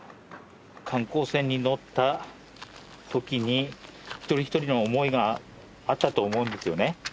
観光船に乗ったときに、一人一人の思いがあったと思うんですよね。